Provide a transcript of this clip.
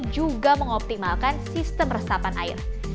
juga mengoptimalkan sistem resapan air